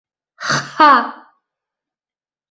Х-ха!